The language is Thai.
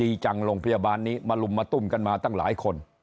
ดีจังโรงพยาบาลนี้มาลุมมาตุ้มกันมาตั้งหลายคน